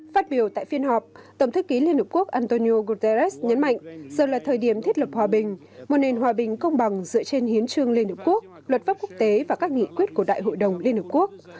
phát biểu tại phiên họp tổng thư ký liên hợp quốc antonio guterres nhấn mạnh giờ là thời điểm thiết lập hòa bình một nền hòa bình công bằng dựa trên hiến trương liên hợp quốc luật pháp quốc tế và các nghị quyết của đại hội đồng liên hợp quốc